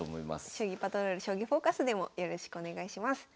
「将棋パトロール」「将棋フォーカス」でもよろしくお願いします。